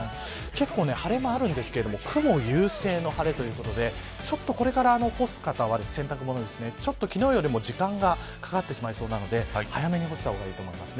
結構、晴れ間あるんですけど雲優勢の晴れということでこれから干す方は昨日よりも時間がかかってしまいそうなので早めに干した方がいいと思います。